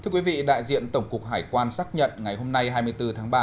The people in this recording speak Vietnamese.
thưa quý vị đại diện tổng cục hải quan xác nhận ngày hôm nay hai mươi bốn tháng ba